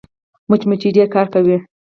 مچمچۍ ډېر کار کوي